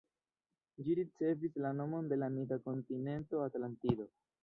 Ĝi ricevis la nomon de la mita kontinento Atlantido.